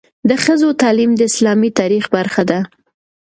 د ښځو تعلیم د اسلامي تاریخ برخه ده.